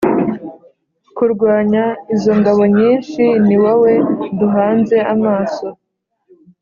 kurwanya izi ngabo nyinshi Ni wowe duhanze amaso